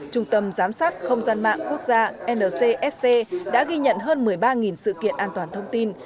trung tâm giám sát không gian mạng quốc gia ncsc đã ghi nhận hơn một mươi ba sự kiện an toàn thông tin